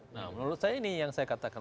nah menurut saya ini yang saya katakan